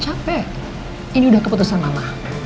capek ini udah keputusan mama